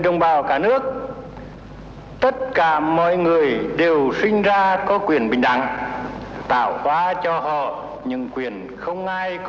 người đều sinh ra có quyền bình đẳng tạo hóa cho họ những quyền không ai có thể chăm sóc được